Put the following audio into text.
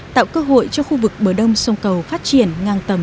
tạo cơ hội cho khu vực bờ đông sông cầu phát triển ngang tầm